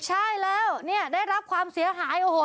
ใช่แล้วเนี่ยได้รับความเสียหายโอ้โห